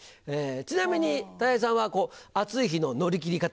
ちなみにたい平さんは暑い日の乗り切り方は？